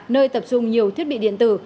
nơi tập trung nhiều thiết bị điện tử